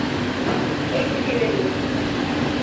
ABC radio